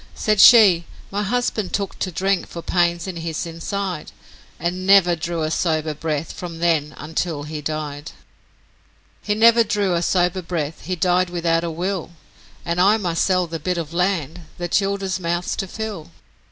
Said she, 'My husband took to drink for pains in his inside, And never drew a sober breath from then until he died. 'He never drew a sober breath, he died without a will, And I must sell the bit of land the childer's mouths to fill.